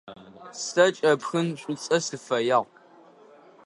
Сэ кӏэпхын шӏуцӏэ сыфэягъ.